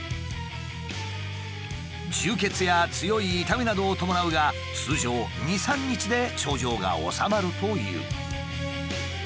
充血や強い痛みなどを伴うが通常２３日で症状が治まるという。